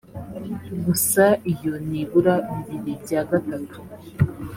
gusa iyo nibura bibiri bya gatatu